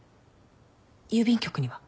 郵便局には？